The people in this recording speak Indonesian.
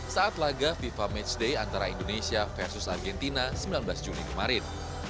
saat laga fifa matchday antara indonesia versus argentina sembilan belas juni kemarin